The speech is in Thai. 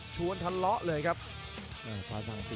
จังหวาดึงซ้ายตายังดีอยู่ครับเพชรมงคล